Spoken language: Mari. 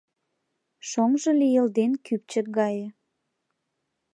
Шонжо лийылден кӱпчык гае.